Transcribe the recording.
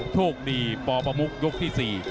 โชคดีปประมุกยกที่๔